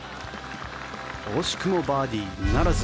惜しくもバーディーならず。